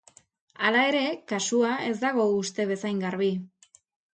Hala ere, kasua ez dago uste bezain garbi.